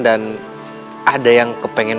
dan ada yang kepengen